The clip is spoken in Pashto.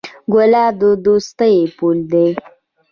ګلاب د دوستۍ پُل دی.